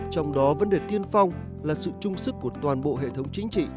trong đó vấn đề tiên phong là sự trung sức của toàn bộ hệ thống chính trị